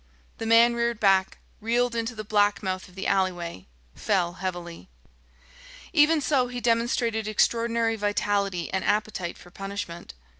The man reared back, reeled into the black mouth of the alleyway, fell heavily. Even so, he demonstrated extraordinary vitality and appetite for punishment.